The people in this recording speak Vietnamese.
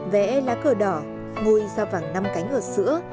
vẽ lá cờ đỏ ngôi sao vàng năm cánh ở sữa